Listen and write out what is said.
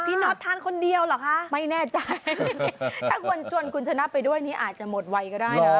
น็อตทานคนเดียวเหรอคะไม่แน่ใจถ้าคนชวนคุณชนะไปด้วยนี่อาจจะหมดไวก็ได้นะ